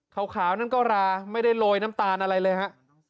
ขาวนั่นก็ราไม่ได้โรยน้ำตาลอะไรเลยฮะ